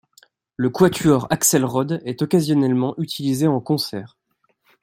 Le quatuor Axelrod est occasionnellement utilisé en concert.